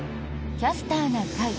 「キャスターな会」。